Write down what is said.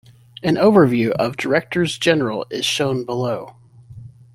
An overview of Directors-General is shown below.